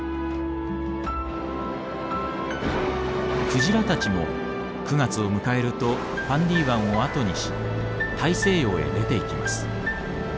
クジラたちも９月を迎えるとファンディ湾をあとにし大西洋へ出ていきます。